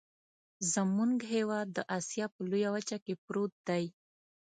زمونږ هیواد د اسیا په لویه وچه کې پروت دی.